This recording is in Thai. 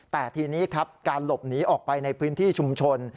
แต่ทีนี้ครับการหลบหนีออกไปในพื้นที่ชุมชน